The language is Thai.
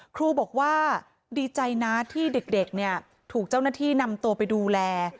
ครูบอกว่าดีใจนะที่เด็กถูกเจ้าหน้าที่นำตัวไปดูแล